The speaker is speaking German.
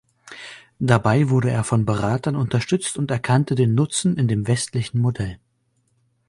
Dabei wurde er von Beratern unterstützt und erkannte den Nutzen in dem westlichen Modell.